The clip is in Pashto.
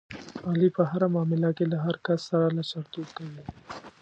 علي په هره معامله کې له هر کس سره لچرتوب کوي.